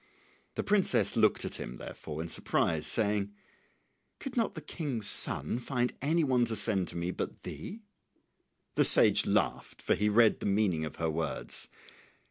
The princess looked at him, therefore, in surprise, saying, "Could not the King's son find any one to send to me but thee?" The sage laughed, for he read the meaning of her words.